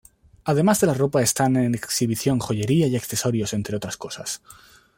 Además de la ropa están en exhibición joyería y accesorios entre otras cosas.